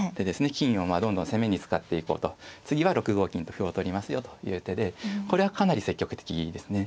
金をどんどん攻めに使っていこうと次は６五金と歩を取りますよという手でこれはかなり積極的ですね。